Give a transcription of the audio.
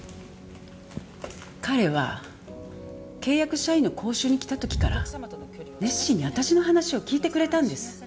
彼は契約社員の講習に来た時から熱心に私の話を聞いてくれたんです。